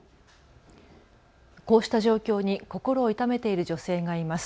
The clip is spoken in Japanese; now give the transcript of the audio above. こうした状況に心を痛めている女性がいます。